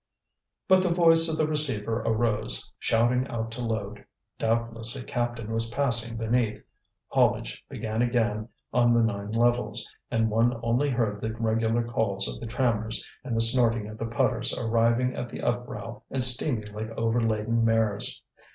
But the voice of the receiver arose, shouting out to load. Doubtless a captain was passing beneath. Haulage began again on the nine levels, and one only heard the regular calls of the trammers, and the snorting of the putters arriving at the upbrow and steaming like over laden mares.